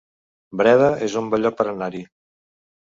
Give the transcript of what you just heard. Breda es un bon lloc per anar-hi